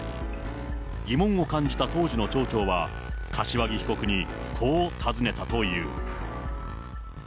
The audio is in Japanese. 疑問を感じた当時の町長は、柏木被告にこう尋ねたという。